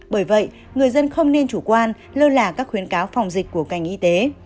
bởi vậy người dân không nên chủ quan lơ là các khuyến cáo phòng dịch của ngành y tế